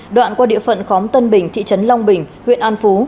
đoạn qua địa phận khóm tân bình thị trấn long bình huyện an phú